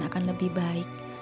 akan lebih baik